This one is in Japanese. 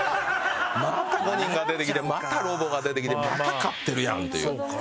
また５人が出てきてまたロボが出てきてまた勝ってるやんという。